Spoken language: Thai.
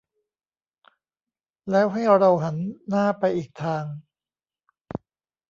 แล้วให้เราหันหน้าไปอีกทาง